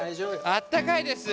あったかいです。